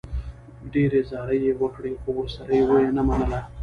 ډېرې زارۍ یې وکړې، خو ورسره و یې نه منله.